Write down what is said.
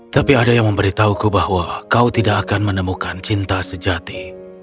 tapi ada yang memberitahuku bahwa kau tidak akan menemukan cinta sejati